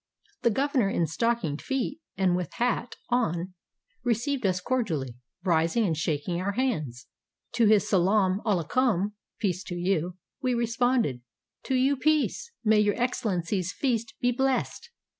The governor, in stockinged feet and with hat on, received us cordially, rising and shaking our hands. To his " Salaam alakum !" ("Peace to you!") we responded, " To you peace! May Your Excellency's feast be blessed!"